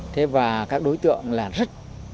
thế và các đối tượng là rất